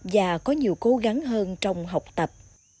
và có nhiều cố gắng hơn trong học tập